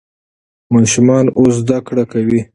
ماشومان اوس زده کړه کوي.